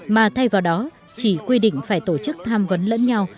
mà thay vào đó chỉ quy định phải tổ chức tham vấn lẫn nhau